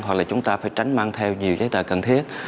hoặc là chúng ta phải tránh mang theo nhiều giấy tờ cần thiết